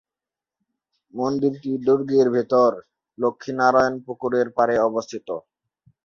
মন্দিরটি দুর্গের ভেতর লক্ষ্মীনারায়ণ পুকুরের পাড়ে অবস্থিত।